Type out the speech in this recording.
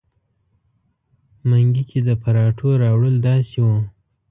منګي کې د پراټو راوړل داسې وو.